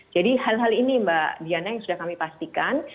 jadi hal hal ini mbak diana yang sudah kami pastikan